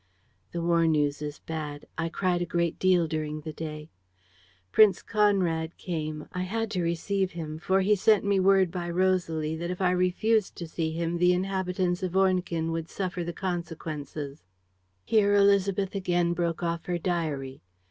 "The war news is bad! I cried a great deal during the day. "Prince Conrad came. I had to receive him, for he sent me word by Rosalie that, if I refused to see him, the inhabitants of Ornequin would suffer the consequences." Here Élisabeth again broke off her diary.